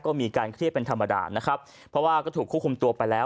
ก็มีการเครียดเป็นธรรมดานะครับเพราะว่าก็ถูกควบคุมตัวไปแล้ว